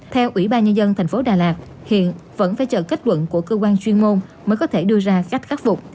theo ủy ban nhân dân thành phố đà lạt hiện vẫn phải chờ kết luận của cơ quan chuyên môn mới có thể đưa ra cách khắc phục